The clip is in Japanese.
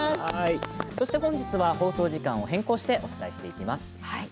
本日は放送時間を変更してお伝えします。